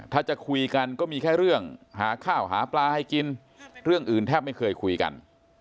ถ้าจะคุยกันก็มีแค่เรื่องหาข้าวหาปลาให้กินเรื่องอื่นแทบไม่เคยคุยกัน